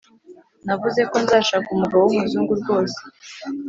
Navuze ko nzashaka umugabo w’umuzungu rwose